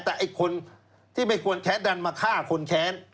แต่ไอ้คนที่ไม่ควรแค้นดันมาฆ่าคนแค้น